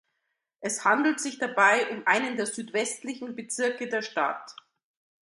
Es handelt sich dabei um einen der südwestlichen Bezirke der Stadt.